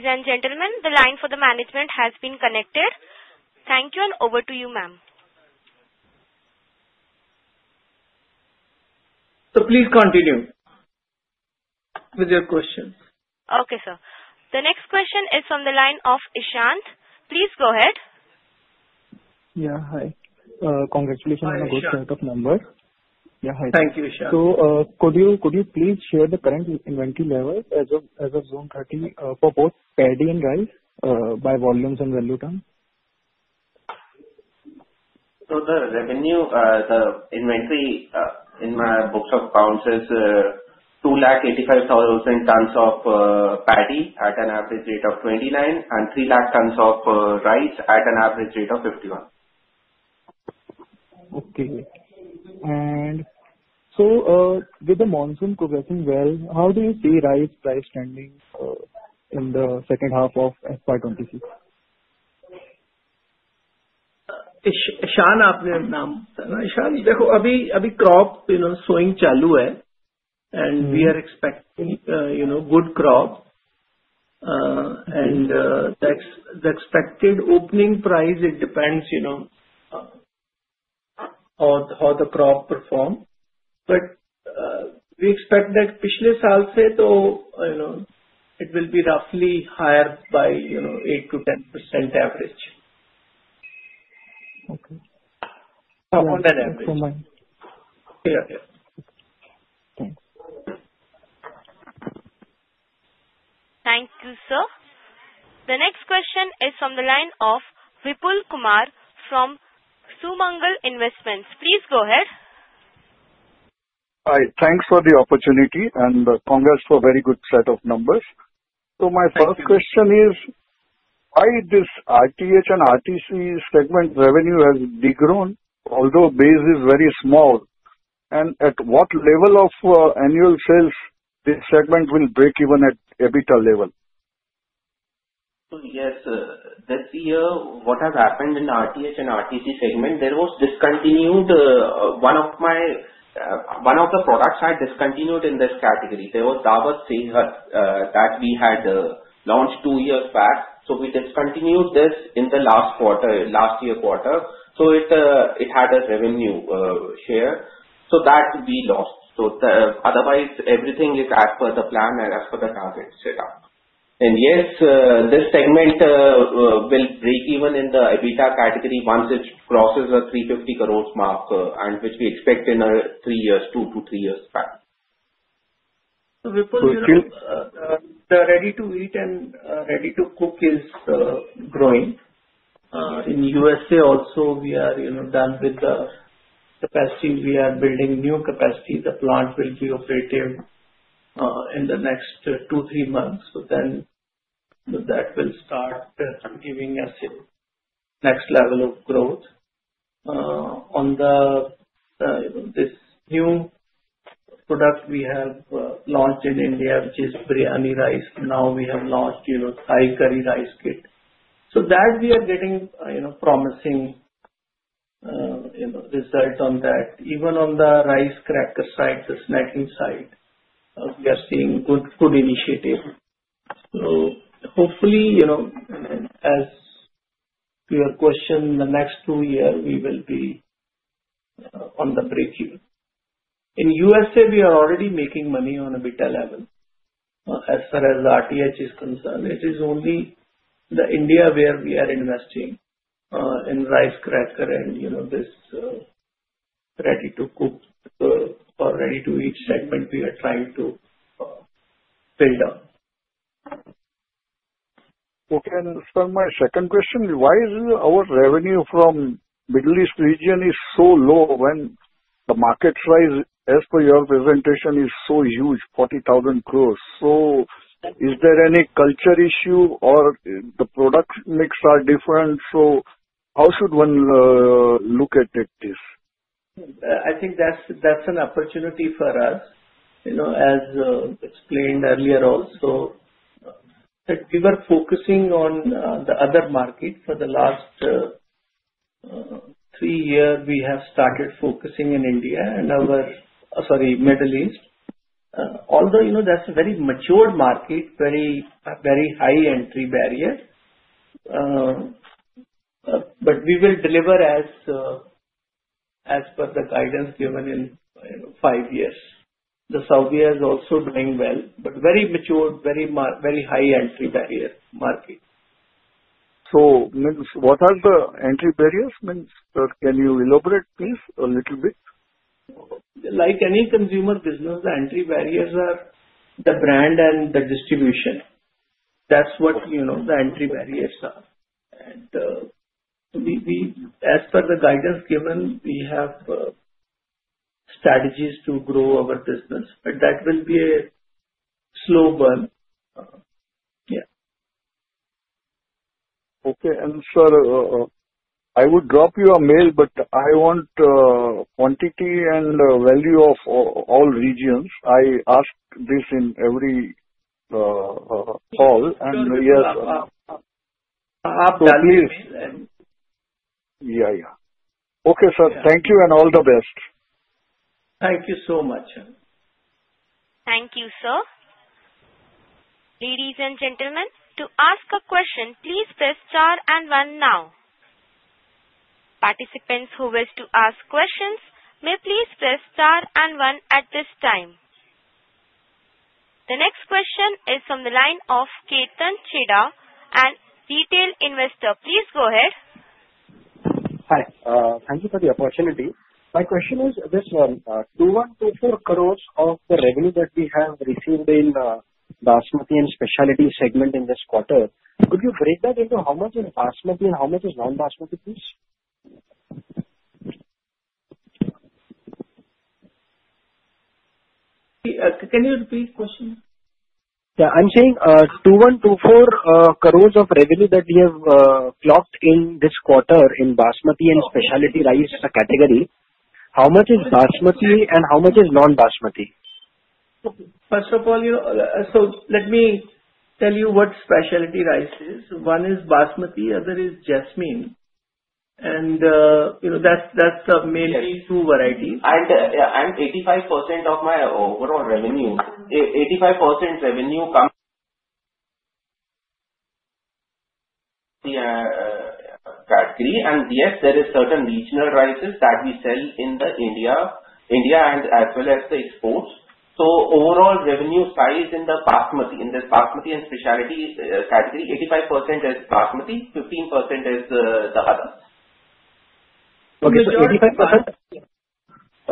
[SPEAKER 6] Ladies and gentlemen, the line for the management has been connected. Thank you and over to you, ma'am.
[SPEAKER 2] So please continue with your questions.
[SPEAKER 6] Okay, sir. The next question is from the line of Ishant. Please go ahead.
[SPEAKER 2] Yeah. Hi. Congratulations on a good set of numbers.
[SPEAKER 5] Yes, sir.
[SPEAKER 2] Yeah. Hi.
[SPEAKER 5] Thank you, Ishant.
[SPEAKER 2] Could you please share the current inventory levels as of June 30, for both paddy and rice, by volumes and value terms?
[SPEAKER 5] So the revenue inventory in my books of accounts is 2,085,000 tons of paddy at an average rate of ₹29, and 3,000,000 tons of rice at an average rate of ₹51.
[SPEAKER 2] Okay. With the monsoon progressing well, how do you see rice price trending in the second half of FY26?
[SPEAKER 5] Ishant, आपने नाम बताया ना?
[SPEAKER 2] Ishant, देखो, अभी-अभी crop, you know, sowing चालू है, and we are expecting, you know, good crop. The expected opening price, it depends, you know, on how the crop performs. But, we expect that पिछले साल से तो, you know, it will be roughly higher by, you know, 8%-10% average. Okay.
[SPEAKER 5] On average.
[SPEAKER 2] On an average.
[SPEAKER 5] Yeah, yeah.
[SPEAKER 2] Okay.
[SPEAKER 5] Thanks.
[SPEAKER 6] Thank you, sir. The next question is from the line of Vipul Kumar from Sumangal Investments. Please go ahead.
[SPEAKER 2] Hi. Thanks for the opportunity, and congrats for a very good set of numbers. So my first question is.
[SPEAKER 5] Yes, sir.
[SPEAKER 2] Why this RTH and RTC segment revenue has degrown although base is very small? And at what level of annual sales this segment will break even at EBITDA level?
[SPEAKER 5] Yes, sir. This year, what has happened in the RTH and RTC segment, there was discontinued one of the products in this category. There was Daawat Sehat that we had launched two years back. So we discontinued this in the last quarter last year. So it had a revenue share. So that we lost. So otherwise, everything is as per the plan and as per the target set up. And yes, this segment will break even in the EBITDA category once it crosses the 350 crore mark, and which we expect in two to three years.
[SPEAKER 2] So Vipul, you know.
[SPEAKER 5] So, the ready-to-eat and ready-to-cook is growing.
[SPEAKER 2] Mm-hmm.
[SPEAKER 5] In USA also, we are, you know, done with the capacity. We are building new capacity. The plant will be operative in the next two, three months. So then that will start giving us a next level of growth. On the, you know, this new product we have launched in India, which is biryani rice. Now we have launched, you know, Thai curry rice kit. So that we are getting, you know, promising, you know, results on that. Even on the rice cracker side, the snacking side, we are seeing good food initiative. So hopefully, you know, and as to your question, the next two years, we will be on the break even. In USA, we are already making money on EBITDA level, as far as RTH is concerned. It is only in India where we are investing in rice cracker and, you know, this ready-to-cook or ready-to-eat segment we are trying to build up.
[SPEAKER 2] Okay. And as per my second question, why is our revenue from Middle East region so low when the market size, as per your presentation, is so huge, 40,000 crores? So is there any culture issue or the product mix are different? So how should one look at it, this?
[SPEAKER 5] I think that's an opportunity for us, you know, as explained earlier also, that we were focusing on the other market for the last three years. We have started focusing in India—sorry, Middle East. Although, you know, that's a very mature market, very, very high entry barrier. But we will deliver as per the guidance given in, you know, five years. The Saudi has also done well, but very mature, very high entry barrier market.
[SPEAKER 2] So, means, what are the entry barriers? Means, can you elaborate, please, a little bit?
[SPEAKER 5] Like any consumer business, the entry barriers are the brand and the distribution. That's what, you know, the entry barriers are. And as per the guidance given, we have strategies to grow our business, but that will be a slow burn. Yeah.
[SPEAKER 2] Okay. And, sir, I would drop you a mail, but I want quantity and value of all regions. I ask this in every call, and yes.
[SPEAKER 5] I'll pass your mail and.
[SPEAKER 2] So please. Yeah, yeah. Okay, sir. Thank you and all the best.
[SPEAKER 5] Thank you so much, sir.
[SPEAKER 6] Thank you, sir. Ladies and gentlemen, to ask a question, please press star and run now. Participants who wish to ask questions may please press star and run at this time. The next question is from the line of Ketan Chheda and Retail Investor. Please go ahead.
[SPEAKER 5] Hi. Thank you for the opportunity. My question is this one. 2,124 crores of the revenue that we have received in Basmati and specialty segment in this quarter, could you break that into how much is Basmati and how much is non-Basmati, please?
[SPEAKER 2] Can you repeat the question?
[SPEAKER 5] Yeah. I'm saying 2,124 crores of revenue that we have clocked in this quarter in Basmati and specialty rice category. How much is Basmati and how much is non-Basmati?
[SPEAKER 2] Okay. First of all, you know, so let me tell you what specialty rice is. One is basmati, the other is jasmine. And, you know, that's the main two varieties.
[SPEAKER 5] 85% of my overall revenue, 85% revenue comes in category. Yes, there are certain regional rices that we sell in India and as well as the exports. So overall revenue size in the Basmati, in the Basmati and specialty category, 85% is Basmati, 15% is the others.
[SPEAKER 2] Okay. So 85%.
[SPEAKER 5] So basmati.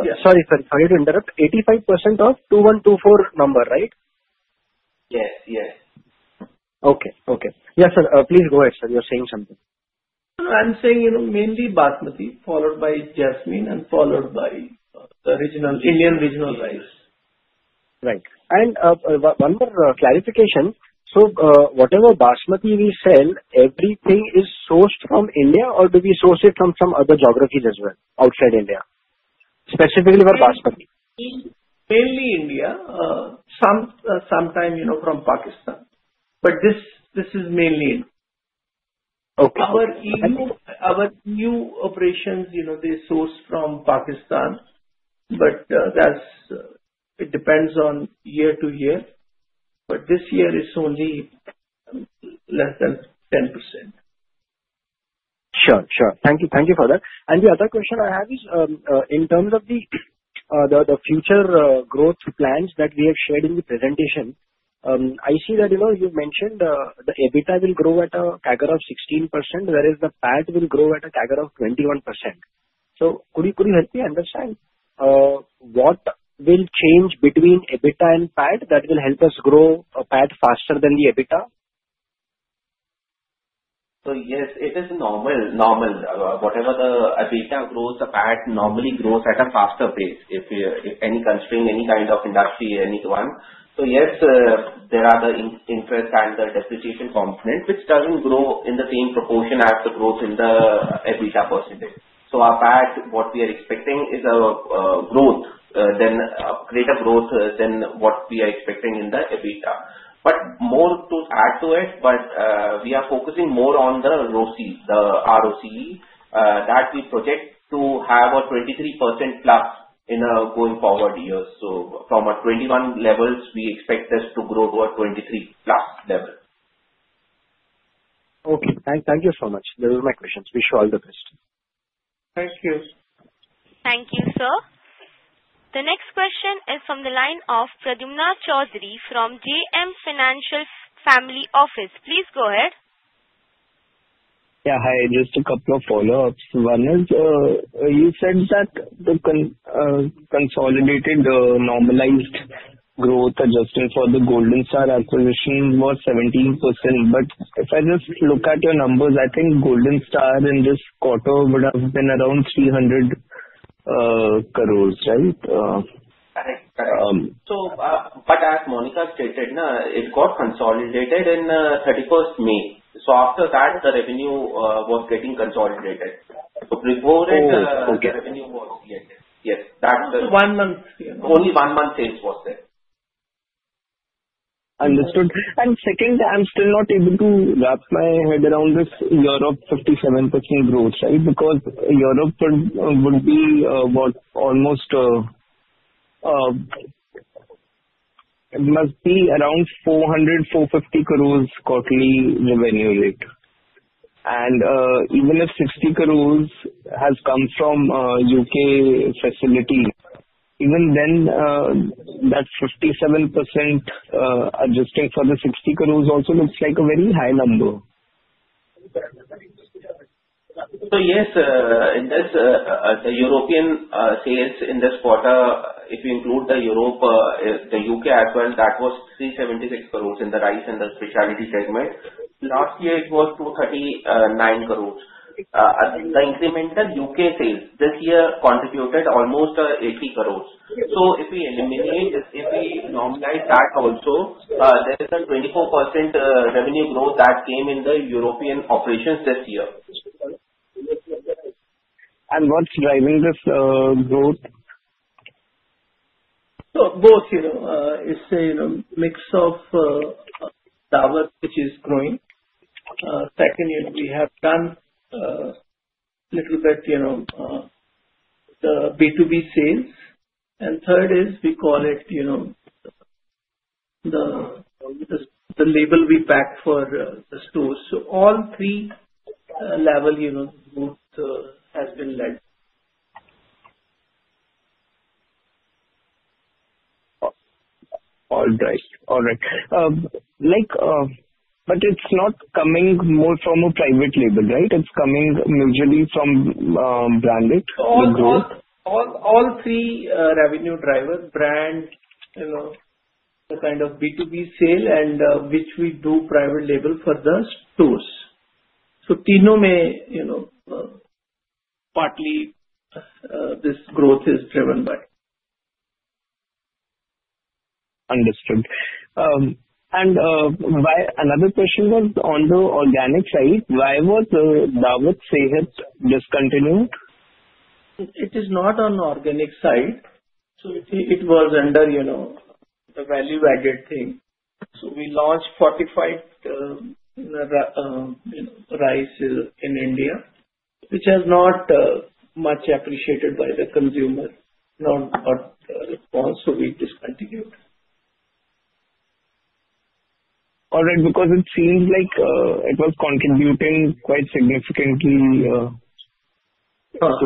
[SPEAKER 2] Yeah.
[SPEAKER 5] Sorry, sorry, sorry to interrupt. 85% of 2124 number, right?
[SPEAKER 2] Yes, yes.
[SPEAKER 5] Okay, okay. Yes, sir. Please go ahead, sir. You're saying something.
[SPEAKER 2] No, no. I'm saying, you know, mainly Basmati followed by Jasmine and followed by the regional Indian rice.
[SPEAKER 5] Right. And one more clarification. So, whatever Basmati we sell, everything is sourced from India, or do we source it from some other geographies as well outside India, specifically for Basmati?
[SPEAKER 2] Mainly India, some, sometimes, you know, from Pakistan. But this is mainly India.
[SPEAKER 5] Okay.
[SPEAKER 2] Our EU, our new operations, you know, they source from Pakistan, but that's it. It depends on year to year. But this year is only less than 10%.
[SPEAKER 5] Sure, sure. Thank you. Thank you for that. And the other question I have is, in terms of the future growth plans that we have shared in the presentation, I see that, you know, you mentioned the EBITDA will grow at a CAGR of 16%, whereas the PAT will grow at a CAGR of 21%. So could you help me understand what will change between EBITDA and PAT that will help us grow PAT faster than the EBITDA? So yes, it is normal. Whatever the EBITDA grows, the PAT normally grows at a faster pace if any constraint, any kind of industry, any one. So yes, there are the interest and the depreciation component, which doesn't grow in the same proportion as the growth in the EBITDA percentage. So our PAT, what we are expecting is a growth, then greater growth than what we are expecting in the EBITDA. But more to add to it, but we are focusing more on the ROCE, the ROCE that we project to have a 23% plus in going forward years. So from a 21 levels, we expect this to grow to a 23-plus level.
[SPEAKER 2] Okay. Thank you so much. Those are my questions. Wish you all the best.
[SPEAKER 5] Thank you.
[SPEAKER 6] Thank you, sir. The next question is from the line of Pradyumna Chaudhary from JM Financial Family Office. Please go ahead.
[SPEAKER 2] Yeah. Hi. Just a couple of follow-ups. One is, you said that the consolidated, normalized growth adjusted for the Golden Star acquisition was 17%. But if I just look at your numbers, I think Golden Star in this quarter would have been around 300 crores, right?
[SPEAKER 5] Correct, correct. So, but as Monika stated, it got consolidated in 31st May. So after that, the revenue was getting consolidated. So before it,
[SPEAKER 2] Okay.
[SPEAKER 5] The revenue was yes, yes. That's.
[SPEAKER 2] Only one month, you know.
[SPEAKER 5] Only one month sales was there.
[SPEAKER 2] Understood, and second, I'm still not able to wrap my head around this Europe 57% growth, right? Because Europe would be, what, almost, it must be around 400-450 crores quarterly revenue rate, and even if 60 crores has come from UK facilities, even then, that 57%, adjusting for the 60 crores also looks like a very high number.
[SPEAKER 5] So yes, in this, the European sales in this quarter, if you include Europe, the U.K. as well, that was 376 crore in the rice and the specialty segment. Last year, it was 239 crore. The incremental U.K. sales this year contributed almost 80 crore. So if we eliminate, if we normalize that also, there is a 24% revenue growth that came in the European operations this year.
[SPEAKER 2] What's driving this growth?
[SPEAKER 5] Both, you know, it's a you know mix of Daawat, which is growing. Second, you know, we have done a little bit you know the B2B sales. And third is we call it you know the label we pack for the stores. So all three level you know growth has been led.
[SPEAKER 2] All right. Like, but it's not coming more from a private label, right? It's coming majorly from branded?
[SPEAKER 5] All three revenue drivers, brand, you know, the kind of B2B sale and which we do private label for the stores. So in a way, you know, partly this growth is driven by.
[SPEAKER 2] Understood. And why another question was on the organic side, why was Daawat Sehat discontinued?
[SPEAKER 5] It is not on the organic side. So it was under, you know, the value-added thing. So we launched Daawat Sehat, you know, rice in India, which has not much appreciated by the consumer, no response, so we discontinued.
[SPEAKER 2] All right. Because it seems like it was contributing quite significantly to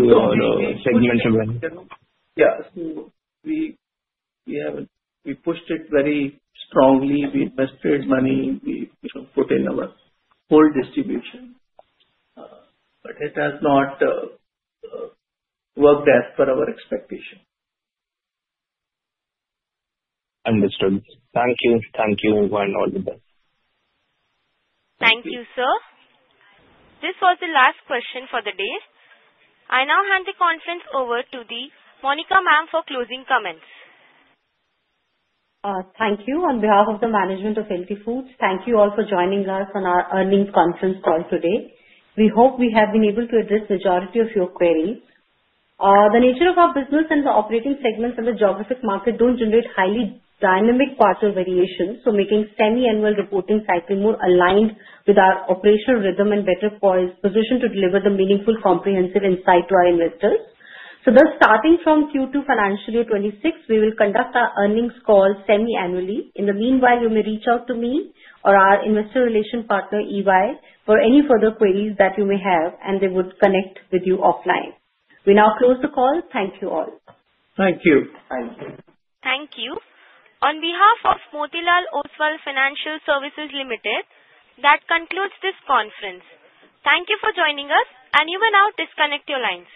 [SPEAKER 2] your segment of revenue.
[SPEAKER 5] Yeah. We have pushed it very strongly. We invested money. We, you know, put in our whole distribution, but it has not worked as per our expectation.
[SPEAKER 2] Understood. Thank you. Thank you and all the best.
[SPEAKER 6] Thank you, sir. This was the last question for the day. I now hand the conference over to the Monika ma'am for closing comments.
[SPEAKER 1] Thank you. On behalf of the management of LT Foods, thank you all for joining us on our earnings conference call today. We hope we have been able to address the majority of your queries. The nature of our business and the operating segments and the geographic market don't generate highly dynamic quarter variations, so making semi-annual reporting cycle more aligned with our operational rhythm and better positioned to deliver the meaningful comprehensive insight to our investors. So thus, starting from Q2 financial year 2026, we will conduct our earnings call semi-annually. In the meanwhile, you may reach out to me or our investor relations partner, EY, for any further queries that you may have, and they would connect with you offline. We now close the call. Thank you all.
[SPEAKER 2] Thank you.
[SPEAKER 5] Thank you.
[SPEAKER 1] Thank you. On behalf of Motilal Oswal Financial Services Limited, that concludes this conference. Thank you for joining us, and you may now disconnect your lines.